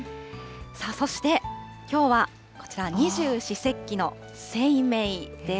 そして、きょうはこちら、二十四節気の清明です。